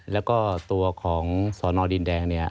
แล้วก็ตัวของสอนอดินแดงเนี่ย